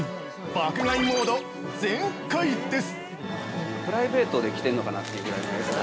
爆買いモード全開です！